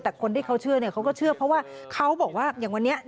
แต่คนที่เขาเชื่อเขาก็เชื่อเพราะว่าเขาบอกว่าอย่างวันนี้